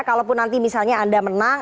kalaupun nanti misalnya anda menang